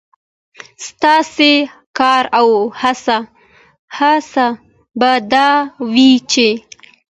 ستاسې کار او هڅه به دا وي، چې